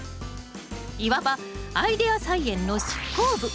いわばアイデア菜園の執行部！